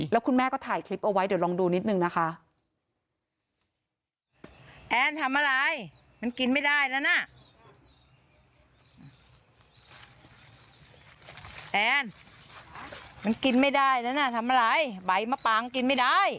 แล้วคุณแม่ก็ถ่ายคลิปเอาไว้เดี๋ยวลองดูนิดนึงนะคะ